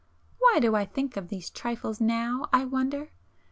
Why do I think of these trifles now I wonder!